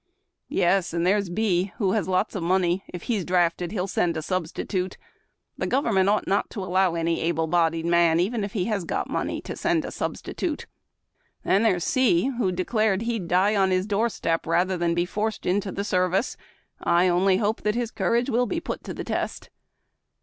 ..." Yes, and there's B , who has lots of money. If he's drafted, he'll send a substitute. The government ought not to allow any able bodied man, even if he has got money, to send a substitute." ..." Then there's C , who declared he'd die on his doorstep rather than be forced into the service. I only hope that his courage will be jjut to the test."